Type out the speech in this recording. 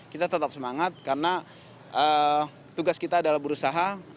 kita tetap semangat karena tugas kita adalah berusaha